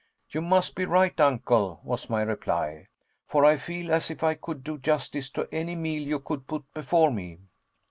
"You must be right, Uncle," was my reply, "for I feel as if I could do justice to any meal you could put before me."